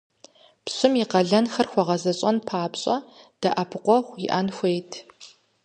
Пщым и къалэнхэр хуэгъэзэщӀэн папщӀэ дэӀэпыкъуэгъу иӀэн хуейт.